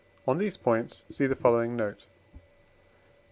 On these points see the following note.